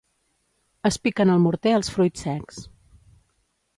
es piquen al morter els fruits secs